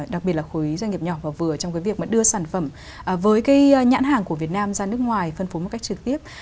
đặc biệt là khối doanh nghiệp nhỏ và vừa trong việc đưa sản phẩm với nhãn hàng của việt nam ra nước ngoài phân phối một cách trực tiếp